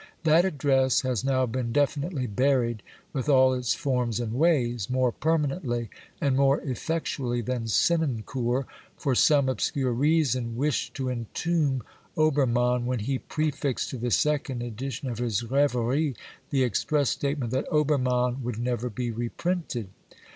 That Address has now been definitely buried with all its forms and ways, more permanently and more effectually than Senancour, for some obscure reason, wished to entomb Obermann when he prefixed to the second edition of his Reveries the express statement that Obermann would never be reprinted.